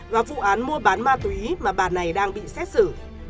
và vụ án mua bán ma túy mà bà này đang bị xét xử